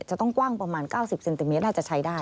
จะต้องกว้างประมาณ๙๐เซนติเมตรน่าจะใช้ได้